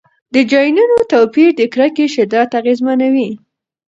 د جینونو توپیر د کرکې شدت اغېزمنوي.